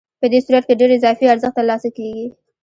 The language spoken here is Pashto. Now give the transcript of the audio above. په دې صورت کې ډېر اضافي ارزښت ترلاسه کېږي